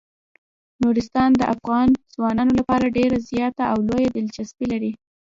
نورستان د افغان ځوانانو لپاره ډیره زیاته او لویه دلچسپي لري.